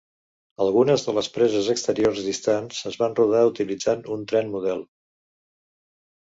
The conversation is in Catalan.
Algunes de les preses exteriors distants es van rodar utilitzant un tren model.